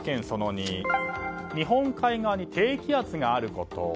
その２日本海側に低気圧があること。